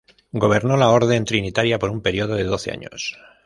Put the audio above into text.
Gobernó la Orden Trinitaria por un período de doce años.